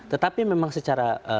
tetapi memang secara